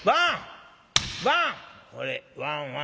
「ほれワンワン